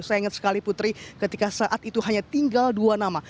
saya ingat sekali putri ketika saat itu hanya tinggal dua nama